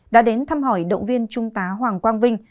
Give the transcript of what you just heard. đã đến thăm hỏi động viên trung tá hoàng quang vinh